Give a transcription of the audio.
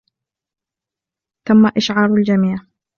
تم إشعار الجميع.